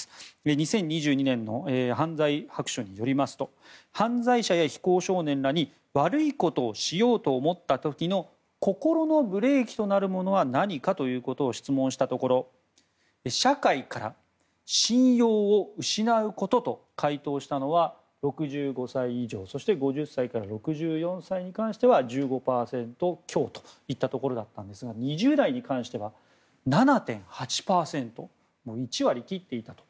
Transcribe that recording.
２０２２年の犯罪白書によりますと犯罪者や非行少年らに悪いことをしようと思った時の心のブレーキとなるものは何かということを質問したところ社会から信用を失うことと回答したのは、６５歳以上そして５０歳から６４歳に関しては１５％強というところですが２０代に関しては７．８％、１割を切っていたと。